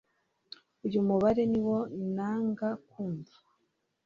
uyu mubabare niwo na nga kumva